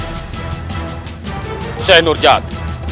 ku shai nurjad